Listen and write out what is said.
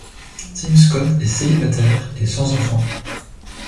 Tim Scott est célibataire et sans enfant.